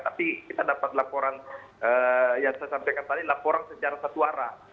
tapi kita dapat laporan yang saya sampaikan tadi laporan secara satu arah